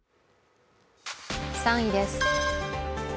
３位です。